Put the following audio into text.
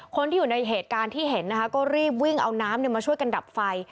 คนที่อยู่ในเหตุการณ์ที่เห็นนะคะก็รีบวิ่งเอาน้ำมาช่วยกันดับไฟ